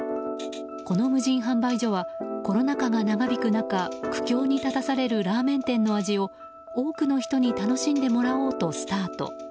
この無人販売所はコロナ禍が長引く中苦境に立たされるラーメン店の味を多くの人に楽しんでもらおうとスタート。